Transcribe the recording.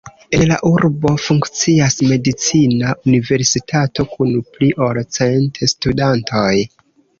En la urbo funkcias medicina universitato kun pli ol cent studantoj.